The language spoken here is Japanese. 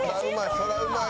そりゃうまい。